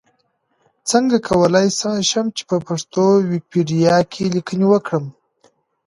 څنګه کولی شم چې پښتو ويکيپېډيا کې ليکنې وکړم؟